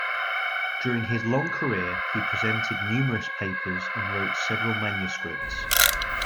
During his long career he presented numerous papers and wrote several manuscripts.